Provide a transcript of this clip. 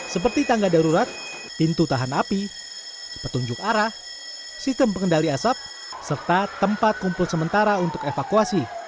seperti tangga darurat pintu tahan api petunjuk arah sistem pengendali asap serta tempat kumpul sementara untuk evakuasi